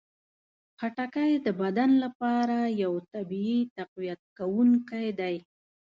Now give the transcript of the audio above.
خټکی د بدن لپاره یو طبیعي تقویت کوونکی دی.